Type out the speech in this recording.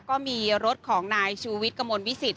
ก็มีรถของนายชูวิทย์กระมวลวิสิต